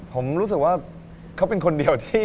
ผมรู้สึกว่าเขาเป็นคนเดียวที่